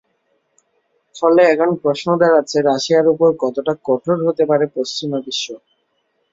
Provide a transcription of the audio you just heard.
ফলে এখন প্রশ্ন দাঁড়াচ্ছে, রাশিয়ার ওপর কতটা কঠোর হতে পারে পশ্চিমা বিশ্ব।